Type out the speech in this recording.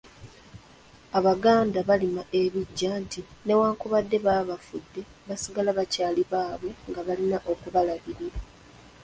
Abaganda barima ebiggya nti newankubadde baba bafudde, basigala bakyaali baabwe nga balina okubalabirira.